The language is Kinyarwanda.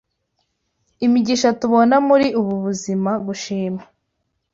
imigisha tubona muri ubu buzima, gushima